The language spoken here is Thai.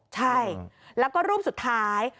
ใช่แล้วก็รูปสุดท้าย